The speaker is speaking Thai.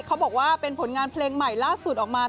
เขาบอกว่าเป็นผลงานเพลงใหม่ล่าสุดออกมา